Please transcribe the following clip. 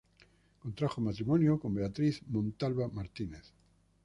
Contrajo matrimonio con Beatriz Montalva Martínez.